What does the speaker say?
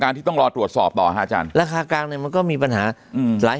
การที่ต้องรอตรวจสอบต่ออาจารย์ราคากลางนี้มันก็มีปัญหาหลาย